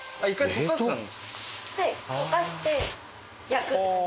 溶かして焼くって感じです。